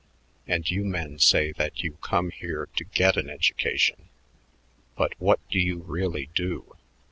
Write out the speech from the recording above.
And you men say that you come here to get an education. But what do you really do?